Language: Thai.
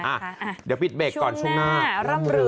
อ่ะเดี๋ยวปิดเบรกก่อนช่วงหน้าร่ำรวย